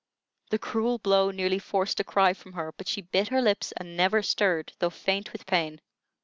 The cruel blow nearly forced a cry from her; but she bit her lips and never stirred, though faint with pain.